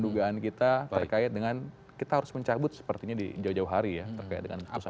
dugaan kita terkait dengan kita harus mencabut sepertinya di jauh jauh hari ya